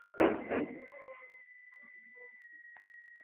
আর সেটাই সব ঝামেলার সৃষ্টি করে।